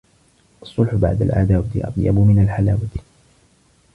الصلح بعد العداوة أطيب من الحلاوة.